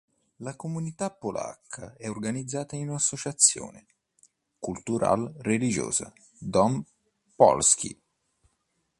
La comunità polacca è organizzata in associazione cultural-religiosa "Dom Polski".